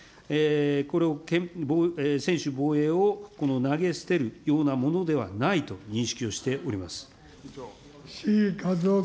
これを専守防衛を投げ捨てるようなものではないと認識をしており志位和夫君。